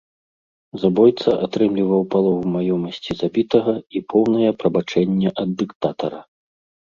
Забойца атрымліваў палову маёмасці забітага і поўнае прабачэнне ад дыктатара.